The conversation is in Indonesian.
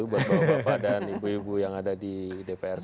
buat bapak dan ibu ibu yang ada di dprs